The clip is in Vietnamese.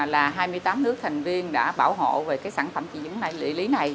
là hai mươi tám nước thành viên đã bảo hộ về sản phẩm chỉ dẫn địa lý này